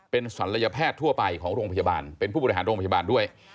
เป็นศัลยแพทย์ทั่วไปของโรงพยาบาลเป็นผู้บริหารโรงพยาบาลด้วย